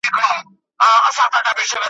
د نارنج د ګل پر پاڼو، ننګرهار ته غزل لیکم `